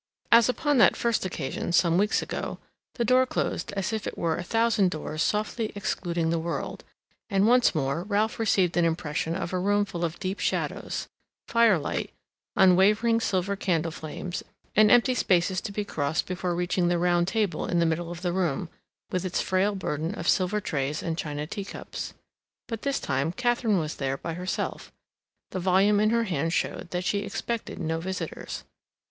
As upon that first occasion, some weeks ago, the door closed as if it were a thousand doors softly excluding the world; and once more Ralph received an impression of a room full of deep shadows, firelight, unwavering silver candle flames, and empty spaces to be crossed before reaching the round table in the middle of the room, with its frail burden of silver trays and china teacups. But this time Katharine was there by herself; the volume in her hand showed that she expected no visitors.